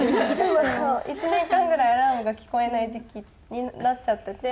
１年間ぐらいアラームが聞こえない時期になっちゃってて。